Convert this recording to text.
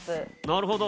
なるほど。